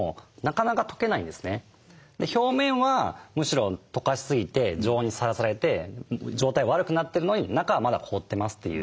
表面はむしろとかしすぎて常温にさらされて状態は悪くなってるのに中はまだ凍ってますっていう。